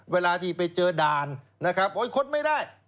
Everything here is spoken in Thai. เวลาที่ไปเจอด่านนะครับโอ๊ยคดไม่ได้